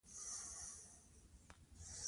په افغانستان کې روسي فرهنګ پراخه و.